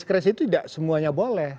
diskresi itu tidak semuanya boleh